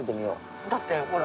だってほら。